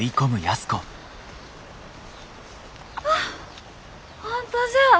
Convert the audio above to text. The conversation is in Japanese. あっ本当じゃあ。